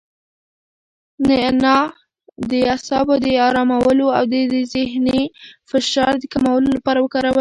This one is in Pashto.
نعناع د اعصابو د ارامولو او د ذهني فشار د کمولو لپاره وکاروئ.